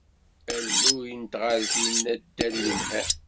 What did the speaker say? Alluy n tɣalltin d addal yelhan.